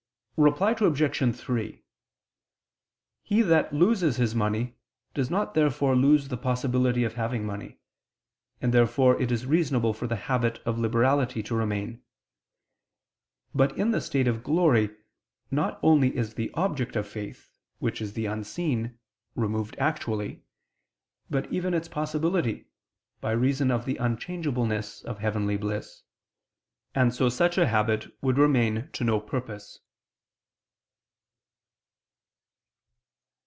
Reply Obj. 3: He that loses his money does not therefore lose the possibility of having money, and therefore it is reasonable for the habit of liberality to remain. But in the state of glory not only is the object of faith, which is the unseen, removed actually, but even its possibility, by reason of the unchangeableness of heavenly bliss: and so such a habit would remain to no purpose.